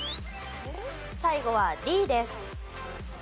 最後はＤです。